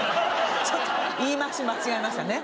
ちょっと言い回し間違えましたね。